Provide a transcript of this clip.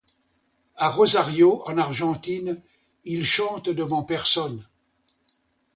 À Rosario en Argentine, ils chantent devant personnes.